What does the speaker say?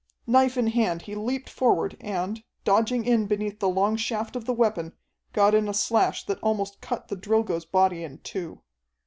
Knife in hand he leaped forward, and, dodging in beneath the long shaft of the weapon, got in a slash that almost cut the Drilgo's body in two.